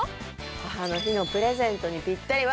母の日のプレゼントにピッタリ。